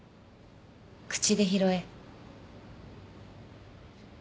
口で拾え